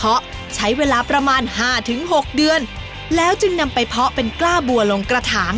เพราะใช้เวลาประมาณห้าถึงหกเดือนแล้วจึงนำไปเพาะเป็นกล้าบัวลงกระถาง